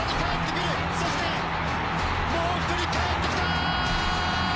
そして、もう１人かえってきた！